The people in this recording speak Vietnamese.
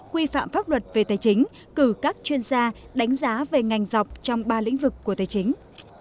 quy phạm pháp luật về tài chính cử các chuyên gia đánh giá về ngành dọc trong ba lĩnh vực của tài chính